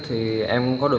thì em cũng có được